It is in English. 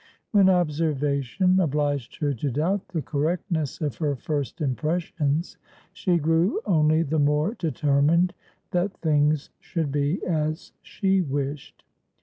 When observation obliged her to doubt the correctness of her first impressions, she grew only the more determined that things should be as she wished.